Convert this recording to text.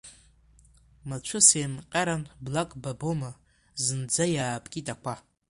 Мацәыс еимҟьаран блак бабома, зынӡа иаапкит ақәа.